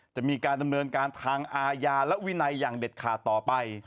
จะมีการดำเนินการทางอาญาและวินัยอย่างเด็ดขาดต่อไป